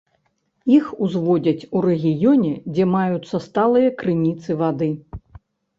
Іх узводзяць у рэгіёне, дзе маюцца сталыя крыніцы вады.